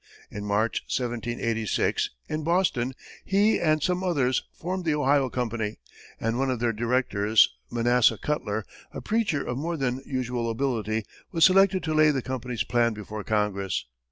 In March, 1786, in Boston, he and some others formed the Ohio Company, and one of their directors, Manasseh Cutler, a preacher of more than usual ability, was selected to lay the company's plan before Congress.